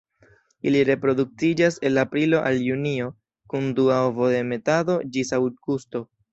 Ili reproduktiĝas el aprilo al junio, kun dua ovodemetado ĝis aŭgusto.